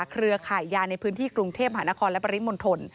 เครือข่ายยาในพื้นที่กรุงเทพหานครและปริมณฑล